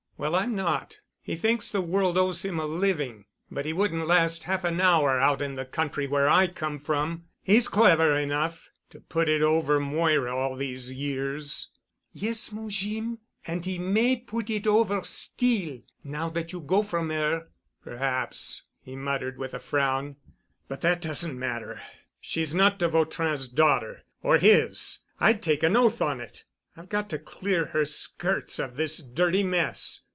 "Well, I'm not. He thinks the world owes him a living. But he wouldn't last half an hour out in the country where I come from. He's clever enough, to put it over Moira all these years——" "Yes, mon Jeem. An' 'e may 'put it over' still—now dat you go from 'er——" "Perhaps," he muttered, with a frown. "But that doesn't matter. She's not de Vautrin's daughter—or his—I'd take an oath on it. I've got to clear her skirts of this dirty mess.